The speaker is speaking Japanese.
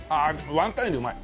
ワンタンよりうまい。